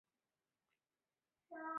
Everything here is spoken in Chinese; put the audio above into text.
以后他就开始独立工作。